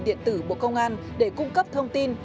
điện tử bộ công an để cung cấp thông tin